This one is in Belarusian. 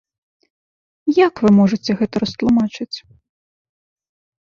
Як вы можаце гэта растлумачыць?